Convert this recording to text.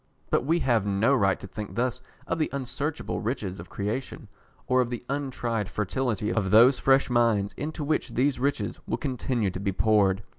But we have no right to think thus of the unsearchable riches of creation, or of the untried fertility of those fresh minds into which these riches will continue to be poured.